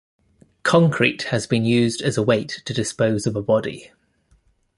Concrete has been used as a weight to dispose of a body.